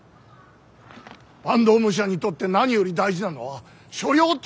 坂東武者にとって何より大事なのは所領と一族。